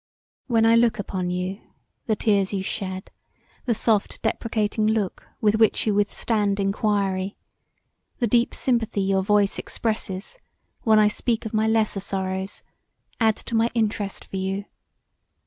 "When I look upon you, the tears you shed, the soft deprecating look with which you withstand enquiry; the deep sympathy your voice expresses when I speak of my lesser sorrows add to my interest for you.